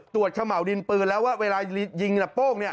ตรวจขม่าวดินปืนแล้วว่าเวลายิงหนับโป้ง